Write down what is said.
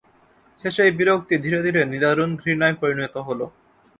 শেষে এই বিরক্তি ধীরে ধীরে নিদারুণ ঘৃণায় পরিণত হল।